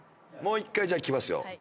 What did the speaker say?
もう一回じゃあいきますよ。